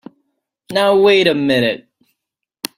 Now wait a minute!